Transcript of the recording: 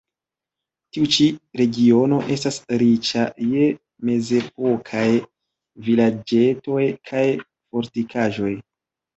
Tiu ĉi regiono estas riĉa je mezepokaj vilaĝetoj kaj fortikaĵoj.